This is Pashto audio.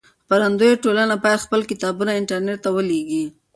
خپرندويې ټولنې بايد خپل کتابونه انټرنټ ته ولېږي.